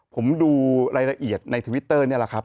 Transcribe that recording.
ผมดูรายละเอียดในทวิตเตอร์นี่แหละครับ